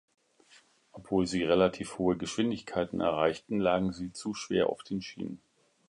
Obwohl sie relativ hohe Geschwindigkeiten erreichten, lagen sie zu schwer auf den Schienen.